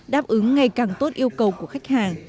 đáp ứng ngày càng tốt yêu cầu của khách hàng